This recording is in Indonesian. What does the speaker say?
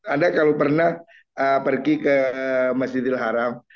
anda kalau pernah pergi ke masjidil haram